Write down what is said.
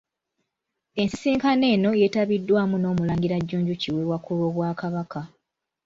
Ensisinkano eno yetabiddwamu n'omulangira Jjunju Kiwewa ku lw'obwakabaka.